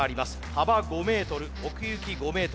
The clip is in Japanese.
幅５ｍ奥行き５ｍ。